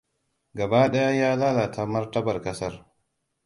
Gaba ɗaya ya lalata martabar kasar.